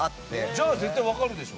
じゃあ、絶対分かるでしょ。